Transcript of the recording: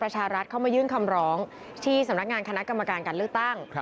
ชารัฐเข้ามายื่นคำร้องที่สำนักงานคณะกรรมการการเลือกตั้ง